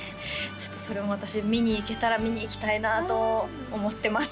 ちょっとそれも私見に行けたら見に行きたいなと思ってます